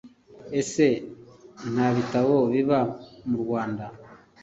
Ese ntabitabo biba mu Rwanda